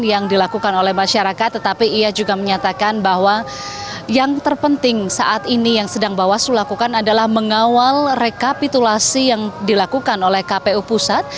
yang dilakukan oleh masyarakat tetapi ia juga menyatakan bahwa yang terpenting saat ini yang sedang bawaslu lakukan adalah mengawal rekapitulasi yang dilakukan oleh kpu pusat